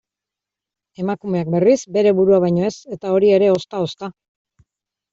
Emakumeak, berriz, bere burua baino ez, eta hori ere ozta-ozta.